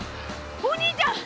お兄ちゃん！